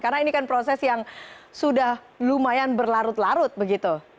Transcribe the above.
karena ini kan proses yang sudah lumayan berlarut larut begitu